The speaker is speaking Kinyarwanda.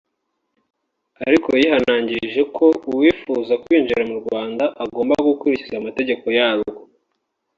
ariko yihanangiriza ko uwifuza kwinjira mu Rwanda agomba gukurikiza amategeko yarwo